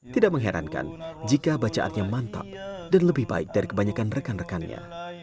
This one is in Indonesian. tidak mengherankan jika bacaannya mantap dan lebih baik dari kebanyakan rekan rekannya